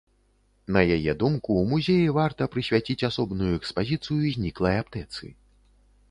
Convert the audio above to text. На яе думку, у музеі варта прысвяціць асобную экспазіцыю зніклай аптэцы.